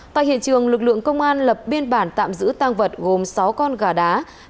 tại hiện trường lực lượng công an lập biên bản tạm giữ tăng vật gồm sáu con gà đá